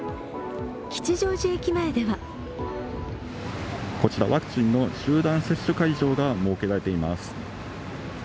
吉祥寺駅前ではこちらワクチンの集団接種会場が設けられています。